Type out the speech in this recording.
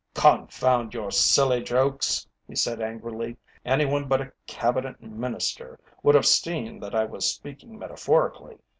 "Confound your silly jokes," he said angrily. "Any one but a Cabinet Minister would have seen that I was speaking metaphorically.